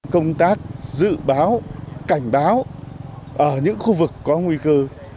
công tác dự báo cảnh báo ở những khu vực có nguy cơ